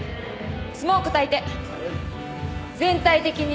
スモークたいて全体的にね。